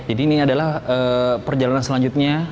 jadi ini adalah perjalanan selanjutnya